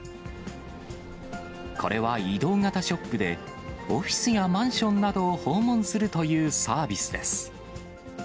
これは移動型ショップで、オフィスやマンションなどを訪問するというサービスです。